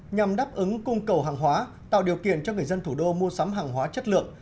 nhằm đáp ứng cung cầu hàng hóa tạo điều kiện cho người dân thủ đô mua sắm hàng hóa chất lượng